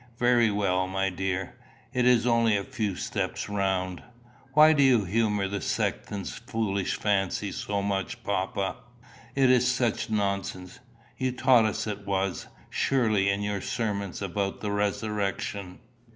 "Very well, my dear. It is only a few steps round." "Why do you humour the sexton's foolish fancy so much, papa? It is such nonsense! You taught us it was, surely, in your sermon about the resurrection?"